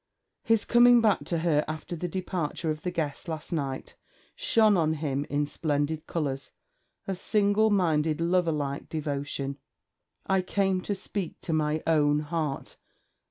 His coming back to her after the departure of the guests last night shone on him in splendid colours of single minded loverlike devotion. 'I came to speak to my own heart.